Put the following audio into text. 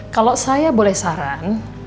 kalau saya boleh saran